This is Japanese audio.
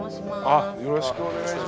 あよろしくお願いします。